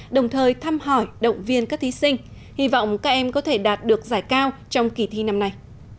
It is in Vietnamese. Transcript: đồng thời thăm hỏi động viên các thí sinh hy vọng các em có thể đạt được giải cao trong kỳ thi năm nay